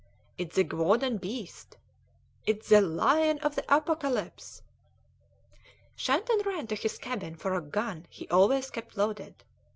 "It's the Gevaudan beast!" "It's the lion of the Apocalypse!" Shandon ran to his cabin for a gun he always kept loaded.